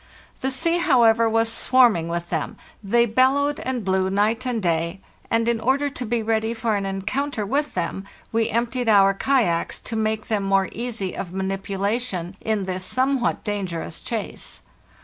The sea, however, was swarming with them; they bel lowed and blew night and day, and, in order to be ready for an encounter with them, we emptied our kayaks to make them more easy of manipulation in this some what dangerous chase.